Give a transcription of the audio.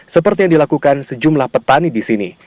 seperti yang dilakukan sejumlah petani di sini